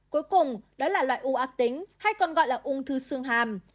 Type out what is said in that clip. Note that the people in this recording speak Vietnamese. cuối cùng đó là loại u ạc tính hay còn gọi là ung thư xương hàm